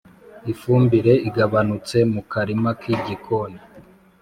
ifumbire igabanutse mu karima k’igikoni,